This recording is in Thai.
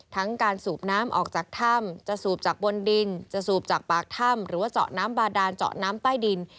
ทั้งการสูบน้ำออกจากถ้ำจะสูบจากบนดินจะสูบจากปากถ้ำหรือว่าเจาะน้ำบาดานเจาะน้ำใต้ดิน